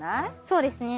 そうですね。